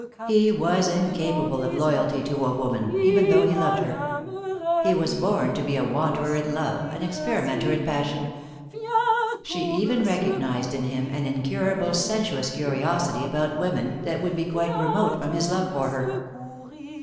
He was incapable of loyalty to a woman, even though he loved her. He was born to be a wanderer in love, an experimenter in passion. She even recognized in him an incurable sensuous curiosity about women, that would be quite remote from his love for her.